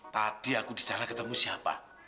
tadi aku di sana ketemu siapa